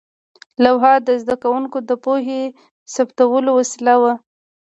لوحه د زده کوونکو د پوهې ثبتولو وسیله وه.